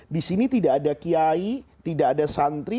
disini tidak ada kiai tidak ada santri